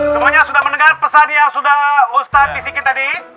semuanya sudah mendengar pesan yang sudah ustadz bisikin tadi